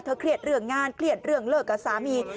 เครียดเรื่องงานเครียดเรื่องเลิกกับสามี